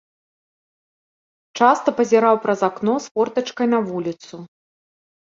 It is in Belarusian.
Часта пазіраў праз акно з фортачкай на вуліцу.